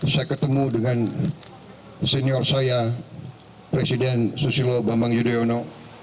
saya ketemu dengan senior saya presiden susilo bambang yudhoyono